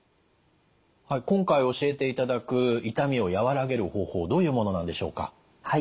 今回教えていただく痛みを和らげる方法どういうものなんでしょうか？